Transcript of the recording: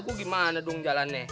gue gimana dong jalannya